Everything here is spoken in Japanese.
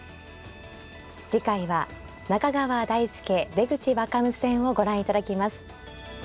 次回は中川大輔出口若武戦をご覧いただきます。